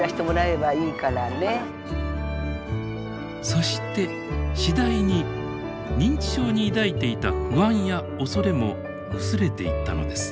そして次第に認知症に抱いていた不安や恐れも薄れていったのです。